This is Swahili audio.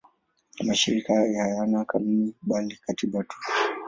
Mashirika hayo hayana kanuni bali katiba tu.